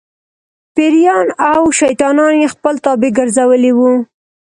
پېریان او شیطانان یې خپل تابع ګرځولي وو.